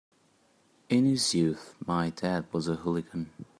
In his youth my dad was a hooligan.